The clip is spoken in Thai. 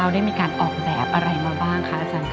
ได้มีการออกแบบอะไรมาบ้างคะอาจารย์ค่ะ